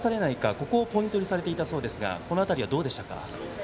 ここをポイントにされていたそうでうがこの辺りはどうですか？